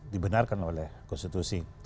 dibenarkan oleh konstitusi